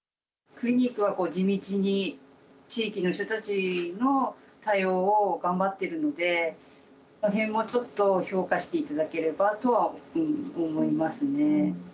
クリニックは地道に、地域の人たちの対応を頑張っているので、そのへんもちょっと評価していただければとは思いますね。